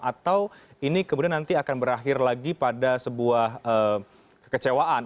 atau ini kemudian nanti akan berakhir lagi pada sebuah kekecewaan